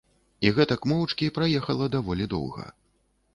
І гэтак моўчкі праехала даволі доўга.